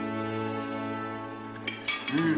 うん。